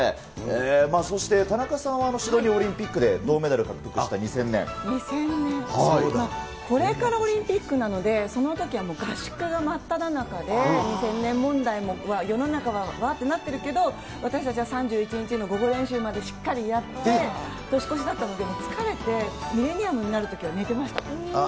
そして田中さんは、シドニーオリンピックで銅メダルを獲得した２０００年、これからオリンピックなので、そのときはもう合宿が真っただ中で、２０００年問題も、世の中はわーっとなってるけど、私たちは３１日の午後練習までしっかりやって、年越しだったので、もう疲れて、ミレニアムになるときは寝てました。